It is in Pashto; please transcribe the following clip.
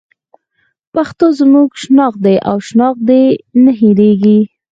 پښتو زموږ شناخت دی او شناخت دې نه هېرېږي.